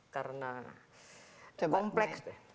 karena kompleks deh